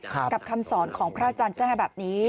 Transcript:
กับคำสอนของพระอาจารย์แจ้แบบนี้